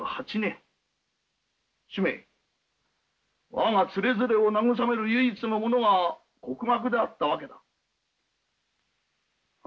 我がつれづれを慰める唯一のものが国学であったわけだ。は。